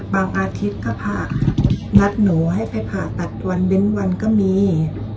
อาทิตย์ก็ผ่างัดหนูให้ไปผ่าตัดวันเว้นวันก็มี